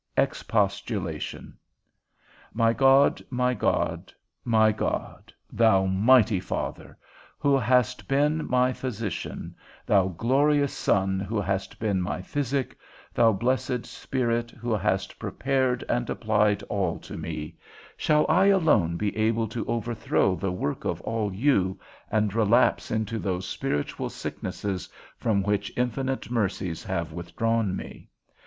XXIII. EXPOSTULATION. My God, my God, my God, thou mighty Father, who hast been my physician; thou glorious Son, who hast been my physic; thou blessed Spirit, who hast prepared and applied all to me, shall I alone be able to overthrow the work of all you, and relapse into those spiritual sicknesses from which infinite mercies have withdrawn me?